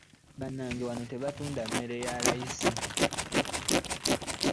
Bannange wano tebatunda mmere ya layisi?